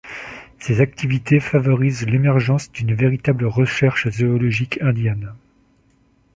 Ces activités favorisent l’émergence d’une véritable recherche zoologique indienne.